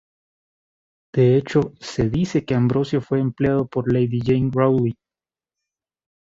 De hecho, se dice que Ambrosio fue empleado por Lady Jane Rawley.